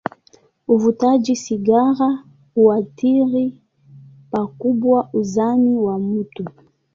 Uvutaji sigara huathiri pakubwa uzani wa mtu.